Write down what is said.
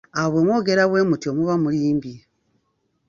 Awo bwe mwogera bwemutyo muba mulimbye.